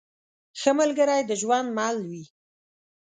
ښه ملګری د ژوند مل وي.